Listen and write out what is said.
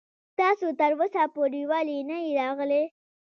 تاسو تر اوسه پورې ولې نه يې راغلی.